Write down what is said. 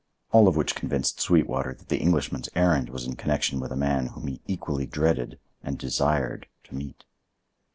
All of which convinced Sweetwater that the Englishman's errand was in connection with a man whom he equally dreaded and desired to meet.